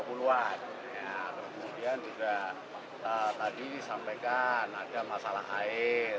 kemudian juga tadi disampaikan ada masalah air